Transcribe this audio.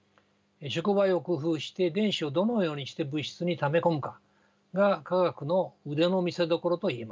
触媒を工夫して電子をどのようにして物質にため込むかが化学の腕の見せどころといえます。